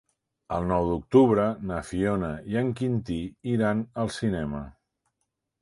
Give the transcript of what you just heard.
El nou d'octubre na Fiona i en Quintí iran al cinema.